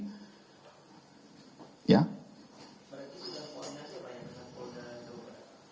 berarti sudah koordinasi pak ya dengan polda jawa barat